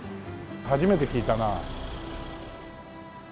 初めて聞いたな。